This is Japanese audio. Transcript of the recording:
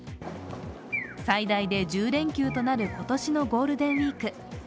最大で１０連休となる今年のゴールデンウイーク。